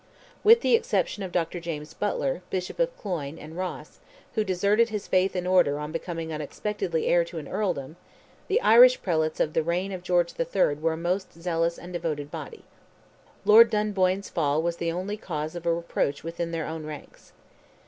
With the exception of Dr. James Butler, Bishop of Cloyne and Ross, who deserted his faith and order on becoming unexpectedly heir to an earldom, the Irish prelates of the reign of George III. were a most zealous and devoted body. Lord Dunboyne's fall was the only cause of a reproach within their own ranks.